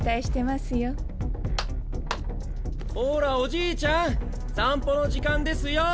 パンパンほらおじいちゃん散歩の時間ですよ！